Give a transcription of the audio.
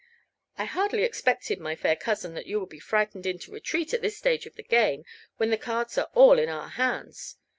"I hardly expected, my fair cousin, that you would be frightened into retreat at this stage of the game, when the cards are all in our hands.